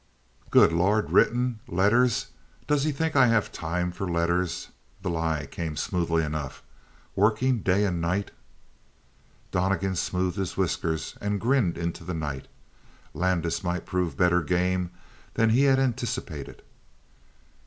"Good Lord! Written! Letters! Does he think I have time for letters?" The lie came smoothly enough. "Working day and night?" Donnegan smoothed his whiskers and grinned into the night. Landis might prove better game than he had anticipated.